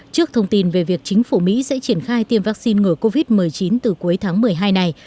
trước thông tin về việc chính phủ mỹ sẽ triển khai tiêm vắc xin ngờ covid một mươi chín từ cuối tháng một mươi hai này